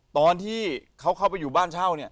ตอนที่เขาเข้าไปอยู่บ้านเช่าเนี่ย